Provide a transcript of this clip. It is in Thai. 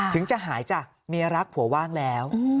ถึงจะหายจ้ะเมียรักผัวว่างแล้ว